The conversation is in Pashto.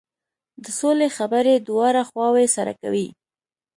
د سولې خبرې دواړه خواوې سره کوي.